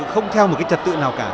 không theo một cái trật tự nào cả